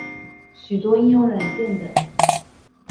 许多应用软件等。